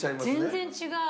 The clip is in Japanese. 全然違う。